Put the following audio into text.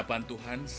menjauhkan moo glass